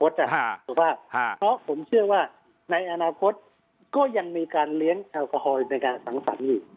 เพราะผมเชื่อว่าในอนาคตก็ยังมีการเลี้ยงแอลกอฮอลในการสังสรรค์อยู่